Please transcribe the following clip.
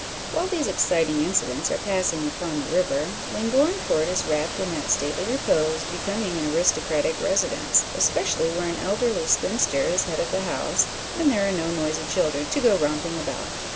While these exciting incidents are passing upon the river, Llangorren Court is wrapped in that stately repose becoming an aristocratic residence especially where an elderly spinster is head of the house, and there are no noisy children to go romping about.